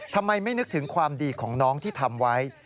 ทำไมไม่นึกถึงความดีของน้องที่ทำไว้